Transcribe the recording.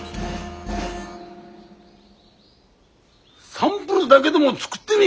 サンプルだげでも作ってみっか？